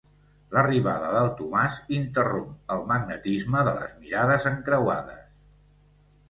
L'arribada del Tomàs interromp el magnetisme de les mirades encreuades.